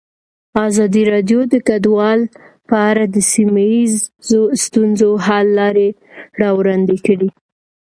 ازادي راډیو د کډوال په اړه د سیمه ییزو ستونزو حل لارې راوړاندې کړې.